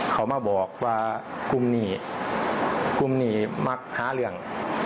เขามาบอกว่ากุมหนี่มักหาเรื่อง